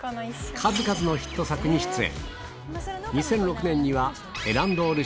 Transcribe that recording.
数々のヒット作に出演内